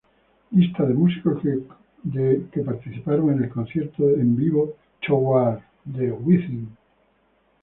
Lista de músicos que participaron en el concierto en vivo "Toward the Within".